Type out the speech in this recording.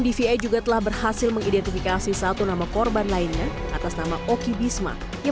dvi juga telah berhasil mengidentifikasi satu nama korban lainnya atas nama oki bisma yang